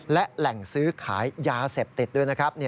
และแหล่งซื้อขายยาเสพติดด้วยนะครับ